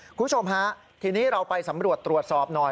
คุณผู้ชมฮะทีนี้เราไปสำรวจตรวจสอบหน่อย